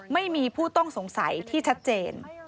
ไม่มีผู้ต้องสงสัยที่ชัดเจน